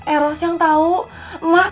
eros yang tau emak